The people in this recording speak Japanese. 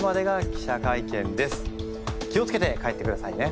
気を付けて帰ってくださいね。